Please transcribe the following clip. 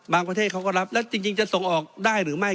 ประเทศเขาก็รับแล้วจริงจะส่งออกได้หรือไม่